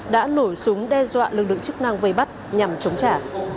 đã nổ súng đe dọa lực lượng chức năng vây bắt nhằm chống trả